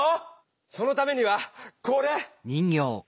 そのためにはこれ！